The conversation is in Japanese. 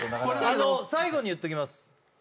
あの最後に言っときます